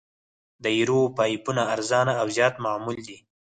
دایروي پایپونه ارزانه او زیات معمول دي